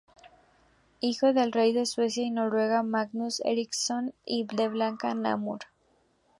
Hijo del rey de Suecia y Noruega Magnus Eriksson y de Blanca de Namur.